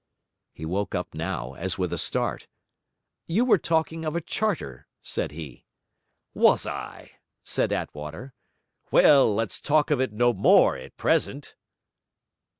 He woke up now, as with a start. 'You were talking of a charter,' said he. 'Was I?' said Attwater. 'Well, let's talk of it no more at present.'